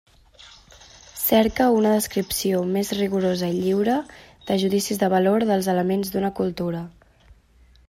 Cerca una descripció més rigorosa i lliure de judicis de valor dels elements d'una cultura.